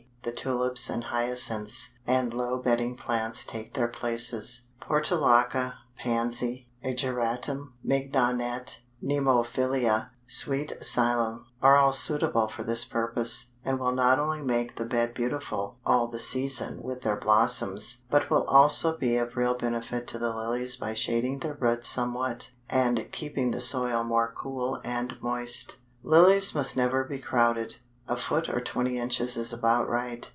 the Tulips and Hyacinths, and low bedding plants take their places. Portulaca, Pansy, Ageratum, Mignonnette, Nemophila, Sweet Alyssum, are all suitable for this purpose, and will not only make the bed beautiful all the season with their blossoms, but will also be of real benefit to the Lilies by shading their roots somewhat, and keeping the soil more cool and moist. Lilies must never be crowded; a foot or twenty inches is about right.